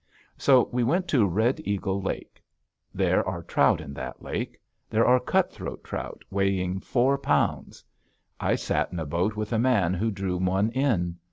So we went to Red Eagle Lake. There are trout in that lake; there are cutthroat trout weighing four pounds. I sat in a boat with a man who drew one in.